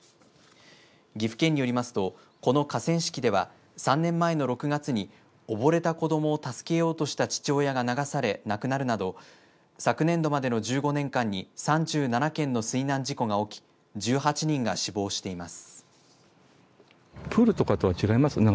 岐阜県によりますとこの河川敷では３年前の６月におぼれた子どもを助けようとした父親が流され亡くなるなど昨年度までの１５年間に３７件の水難事故が起き１８人が死亡しています。